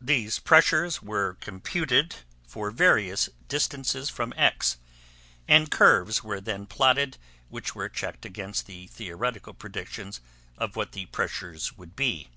These pressures were computed for various distances from X, and curves were then plotted which were checked against the theoretical predictions of what the pressures would be.